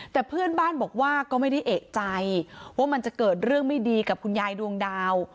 แต่เพื่อนบ้านบอกว่าก็ไม่ได้เอกใจว่ามันจะเกิดเรื่องไม่ดีกับคุณยายดวงดาว